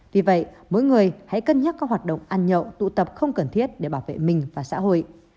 vì vậy mỗi người hãy cân nhắc các hoạt động ăn nhậu tụ tập không cần thiết để bảo vệ mình và xã hội